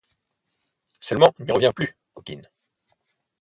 Seulement n’y reviens plus, coquine !